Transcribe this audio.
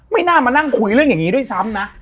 ไม่น่ามานั่งคุยเรื่องอย่างนี้ด้วยซ้ำนะ